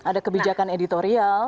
ada kebijakan editorial